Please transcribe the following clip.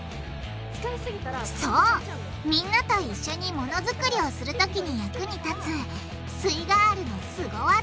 そうみんなと一緒にものづくりをするときに役に立つすイガールのスゴ技！